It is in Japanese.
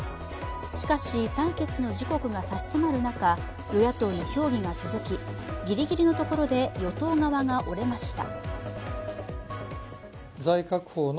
しかし採決の時刻が差し迫る中与野党の協議が続きぎりぎりのところで与党側が折れました。